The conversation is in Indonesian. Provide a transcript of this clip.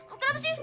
oh kenapa sih